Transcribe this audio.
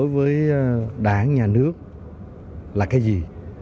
với đảng nhà nước là cái gì